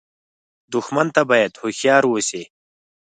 دښمن ته باید هوښیار اوسې